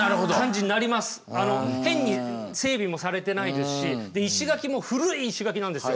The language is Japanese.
変に整備もされてないですし石垣も古い石垣なんですよ